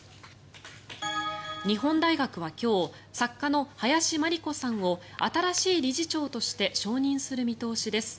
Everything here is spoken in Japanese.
日本大学は、今日作家の林真理子さんを新しい理事長として承認する見通しです。